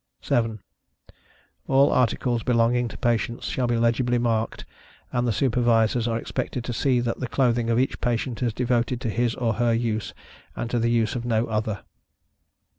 7. All articles belonging to patients, shall be legibly marked, and the Supervisors are expected to see that the clothing of each patient is devoted to his or her use, and to the use of no other.